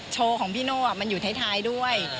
โชว์ของพี่โน่มันอยู่ท้ายด้วย